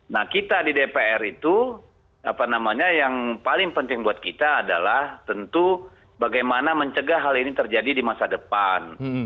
nah kita di dpr itu apa namanya yang paling penting buat kita adalah tentu bagaimana mencegah hal ini terjadi di masa depan